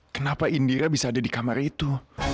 kenapa indira bisa ada di kamar itu